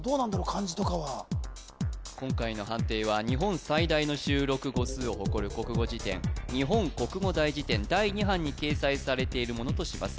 漢字とかは今回の判定は日本最大の収録語数を誇る国語辞典「日本国語大辞典第二版」に掲載されているものとします